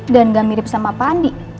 dan gak mirip sama pak andi